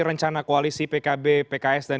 rencana koalisi pkb pks dan